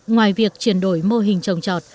ngoài việc chuyển đổi mô hình trồng trọt